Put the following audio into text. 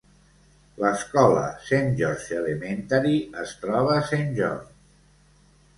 L'escola Saint George Elementary es troba a Saint George.